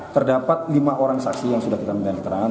terdapat lima orang saksi yang sudah kita minta keterangan